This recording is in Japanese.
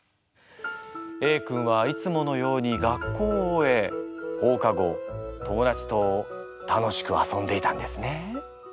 Ａ君はいつものように学校を終え放課後友だちと楽しく遊んでいたんですね。